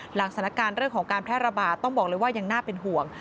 สถานการณ์เรื่องของการแพร่ระบาดต้องบอกเลยว่ายังน่าเป็นห่วง